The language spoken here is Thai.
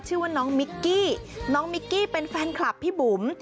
ชื่อว่าน้องมิกกี้น้องมิกกี้เป็นแฟนคลับพี่บุ๋ม